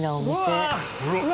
うわ！